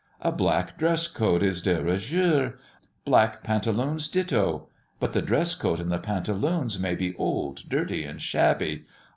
A black dress coat is de rigueur, black pantaloons ditto; but the dress coat and the pantaloons may be old, dirty, and shabby.